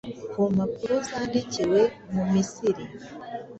Ku mpapuro zandikiwe mu Misiri